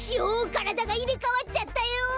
からだがいれかわっちゃったよ！